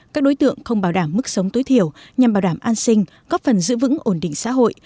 các đối tượng không bảo đảm mức sống tối thiểu nhằm bảo đảm an sinh góp phần giữ vững ổn định xã hội